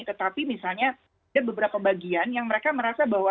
tetapi misalnya ada beberapa bagian yang mereka merasa bahwa